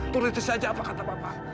turi itu saja apa kata bapak